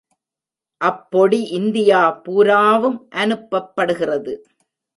அப்பொடி India பூராவும் அனுப்பப்படுகிறது.